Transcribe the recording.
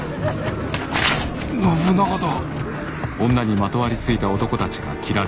信長だ。